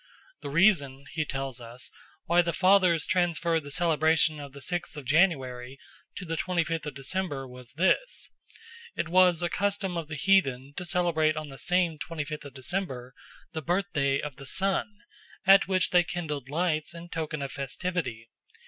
"The reason," he tells us, "why the fathers transferred the celebration of the sixth of January to the twenty fifth of December was this. It was a custom of the heathen to celebrate on the same twenty fifth of December the birthday of the Sun, at which they kindled lights in token of festivity.